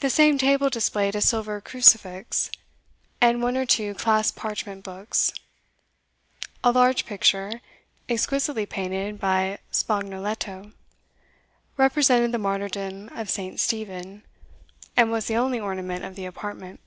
The same table displayed a silver crucifix, and one or two clasped parchment books. A large picture, exquisitely painted by Spagnoletto, represented the martyrdom of St. Stephen, and was the only ornament of the apartment.